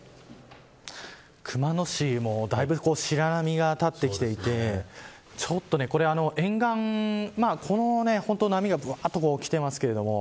熊野市もだいぶ白波が立ってきていてこれは沿岸本当に波がぶわっときてますけど。